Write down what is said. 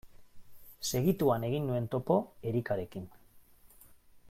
Segituan egin nuen topo Erikarekin.